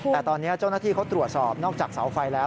แต่ตอนนี้เจ้าหน้าที่เขาตรวจสอบนอกจากเสาไฟแล้ว